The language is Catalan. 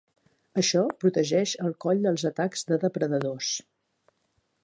Això protegeix el coll dels atacs de depredadors.